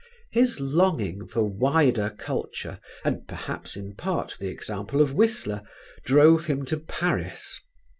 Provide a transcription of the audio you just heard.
His longing for wider culture, and perhaps in part, the example of Whistler, drove him to Paris.